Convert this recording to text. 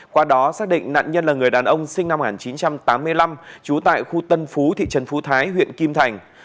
qua đó xác định nạn nhân là người đàn ông sinh năm một nghìn chín trăm tám mươi năm trú tại khu tân phú thị trấn phú thái huyện kim thành